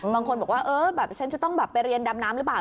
บางคนบอกว่าเออแบบฉันจะต้องแบบไปเรียนดำน้ำหรือเปล่า